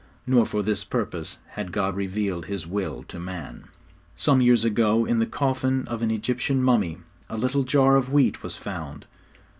Not for this purpose had God revealed His will to man. Some years ago in the coffin of an Egyptian mummy, a little jar of wheat was found.